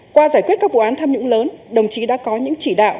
qua giải quyết các vụ án tham nhũng lớn đồng chí đã có những chỉ đạo